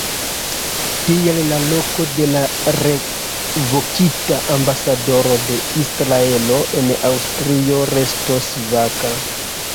Tial la loko de la revokita ambasadoro de Israelo en Aŭstrio restos vaka.